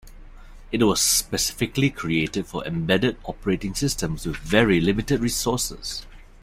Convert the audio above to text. It was specifically created for embedded operating systems with very limited resources.